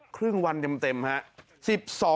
ครึ่งวันเต็มครับ